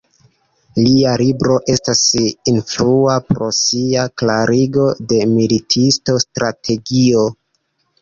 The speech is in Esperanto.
Lia libro estas influa pro sia klarigo de militista strategio.